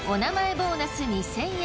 ボーナス２，０００円。